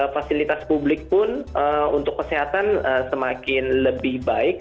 fasilitas publik pun untuk kesehatan semakin lebih baik